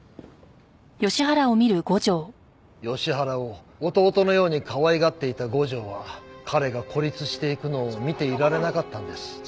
吉原を弟のようにかわいがっていた五条は彼が孤立していくのを見ていられなかったんです。